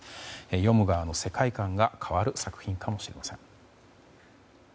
読む側の世界観が変わる作品かもしれません。